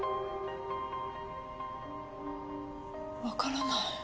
わからない。